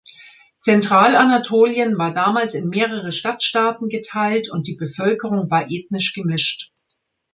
Zentralanatolien war damals in mehrere Stadtstaaten geteilt und die Bevölkerung war ethnisch gemischt.